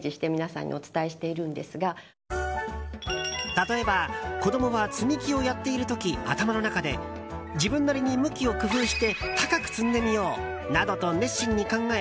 例えば子供は積み木をやっている時頭の中で自分なりに向きを工夫して高く積んでみようなどと熱心に考え